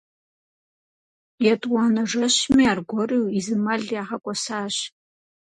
Етӏуанэ жэщми аргуэру и зы мэл ягъэкӏуэсащ.